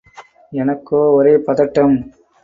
எனக்கோ ஒரே பதட்டம்.